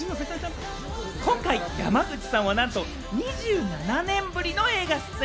今回、山口さんはなんと２７年ぶりの映画出演。